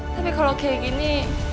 tapi kalau kayak gini